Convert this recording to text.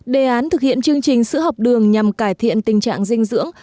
đề án thực hiện chương trình sữa học đường nhằm cải thiện tình trạng dinh dưỡng